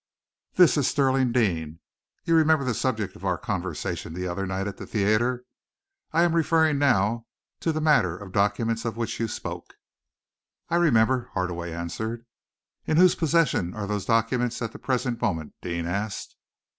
"This is Stirling Deane. You remember the subject of our conversation the other night at the theatre? I am referring now to the matter of documents of which you spoke." "I remember," Hardaway answered. "In whose possession are those documents at the present moment?" Deane asked.